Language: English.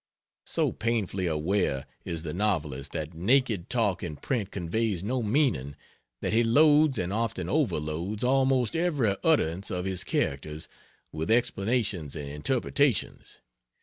So painfully aware is the novelist that naked talk in print conveys no meaning that he loads, and often overloads, almost every utterance of his characters with explanations and interpretations.